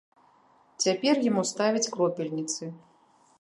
Цяпер яму ставяць кропельніцы.